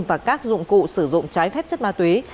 và các dụng cụ sử dụng trái phép chất ma túy